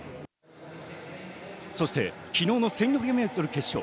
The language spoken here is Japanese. そして昨日の１５００ｍ決勝。